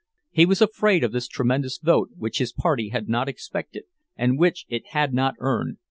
He was afraid of this tremendous vote, which his party had not expected, and which it had not earned.